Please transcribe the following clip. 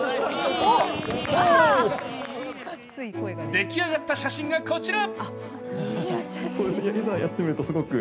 出来上がった写真がこちら。